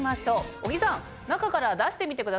小木さん中から出してみてください。